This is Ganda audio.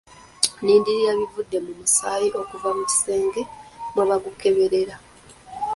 Nnindirira bivudde mu musaayi okuva mu kisenge mwe bagukeberera.